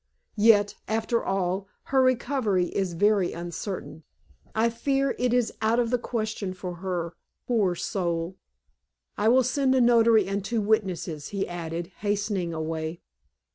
Yet, after all, her recovery is very uncertain; I fear it is out of the question for her, poor soul! I will send a notary and two witnesses," he added, hastening away.